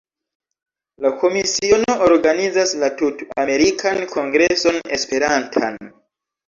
La Komisiono organizas la Tut-Amerikan Kongreson Esperantan.